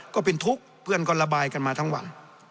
ก็เป็นทุกข์เพื่อนก็ระบายกันมาทั้งวัน